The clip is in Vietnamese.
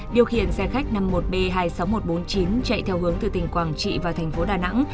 điều khiển xe khách năm mươi một b hai mươi sáu nghìn một trăm bốn mươi chín chạy theo hướng từ tỉnh quảng trị vào thành phố đà nẵng